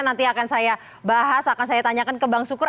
nanti akan saya bahas akan saya tanyakan ke bang sukur